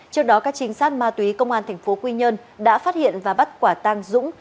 trước đó các trinh sát ma túy công an tp quy nhơn đã phát hiện và bắt quả tang dũng